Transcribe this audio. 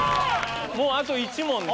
もうあと１問で。